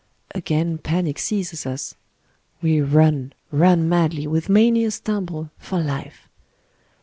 Again panic seizes . us; we run, run madly with many a stumble, for life.